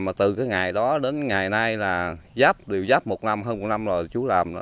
mà từ cái ngày đó đến ngày nay là giáp đều giáp một năm hơn một năm rồi chú làm